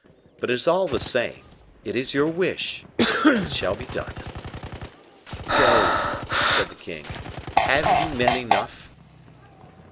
But it is all the same; it is your wish, and it shall be done." "Go," said the king; "but have you men enough?"